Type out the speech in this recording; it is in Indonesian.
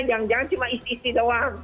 jangan jangan cuma isi isi doang